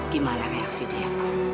gimana reaksi dia